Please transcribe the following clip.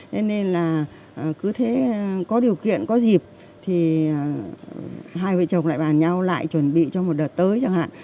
thế nên là cứ thế có điều kiện có dịp thì hai vợ chồng lại bàn nhau lại chuẩn bị cho một đợt tới chẳng hạn